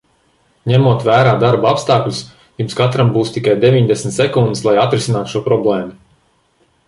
Ņemot vērā darba apstākļus, jums katram būs tikai deviņdesmit sekundes, lai atrisinātu šo problēmu.